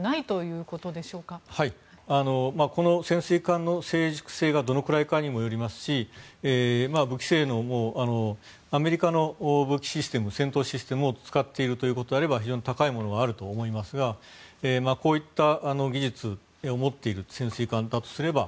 この潜水艦の静粛性がどのくらいかにもよりますし武器性能もアメリカの武器システム戦闘システムを使っているということであれば非常に高いものがあると思いますがこういった技術を持っている潜水艦だとすれば